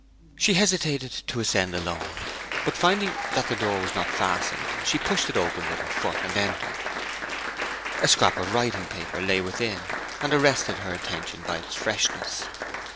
She hesitated to ascend alone, but finding that the door was not fastened she pushed it open with her foot, and entered. A scrap of writing paper lay within, and arrested her attention by its freshness.